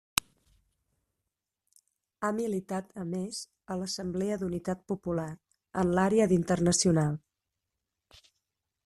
Ha militat a més, a l'Assemblea d'Unitat Popular, en l'àrea d'internacional.